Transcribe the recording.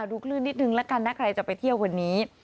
คลื่นนิดนึงแล้วกันนะใครจะไปเที่ยววันนี้